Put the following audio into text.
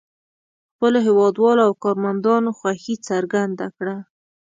خپلو هېوادوالو او کارمندانو خوښي څرګنده کړه.